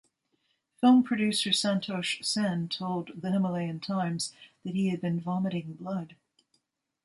Film producer Santosh Sen told "The Himalayan Times" that he had been vomiting blood.